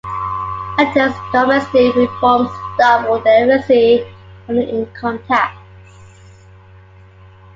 Addington's domestic reforms doubled the efficiency of the Income tax.